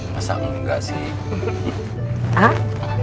masa engga sih